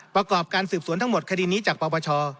ประกอบการสืบสวนทั้งหมดคดีนี้จากปปช